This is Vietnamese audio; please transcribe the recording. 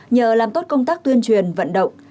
nhờ làm tốt công tác tuyên truyền vận động